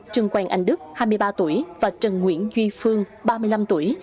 trương quang anh đức hai mươi ba tuổi và trần nguyễn duy phương ba mươi năm tuổi